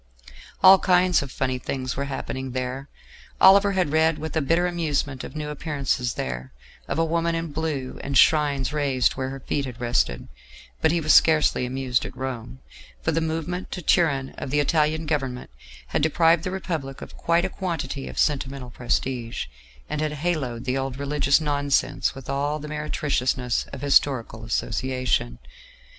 All kinds of funny things were happening there: Oliver had read with a bitter amusement of new appearances there, of a Woman in Blue and shrines raised where her feet had rested; but he was scarcely amused at Rome, for the movement to Turin of the Italian Government had deprived the Republic of quite a quantity of sentimental prestige, and had haloed the old religious nonsense with all the meretriciousness of historical association.